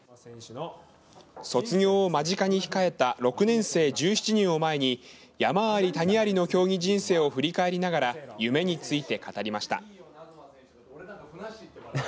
卒業を間近に控えた６年生１７人を前に山あり谷ありの競技人生を振り返りながら夢について語りました。